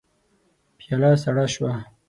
پياله سړه شوه.